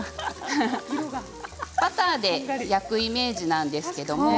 バターで焼くイメージなんですけどね。